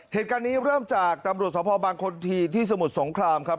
เหตุการณ์นี้เริ่มจากตำรวจสภบางคนทีที่สมุทรสงครามครับ